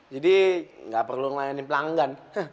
jadi ga perlu ngelayanin pelanggan